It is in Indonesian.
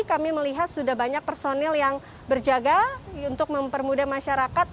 kami melihat sudah banyak personil yang berjaga untuk mempermudah masyarakat